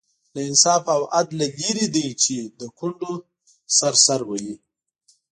له انصاف او عدل لرې دی چې د کونډو سر سر وهي.